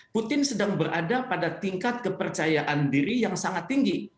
putin sedang berada pada tingkat kepercayaan diri yang sangat tinggi